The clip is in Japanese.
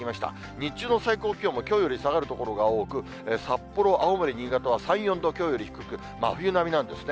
日中の最高気温も、きょうより下がる所が多く、札幌、青森、新潟は３、４度きょうより低く、真冬並みなんですね。